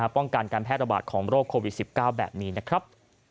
ป้องกันการแพร่ระบาดของโรคโควิด๑๙แบบนี้นะครับ